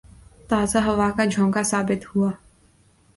تازہ ہوا کا جھونکا ثابت ہوا